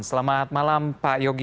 selamat malam pak yogi